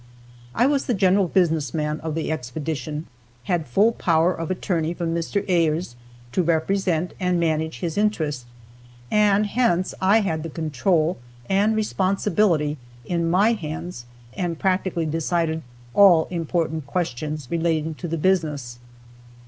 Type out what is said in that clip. I was the general business man of the expedition, had full power of attorney from Mr. Ayres to represent and manage his interest, and hence I had the control and responsibility in my hands and practically decided all important questions relating to the business.